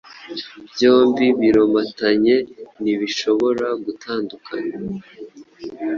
byombi biromatanye ntibishobora gutandukana.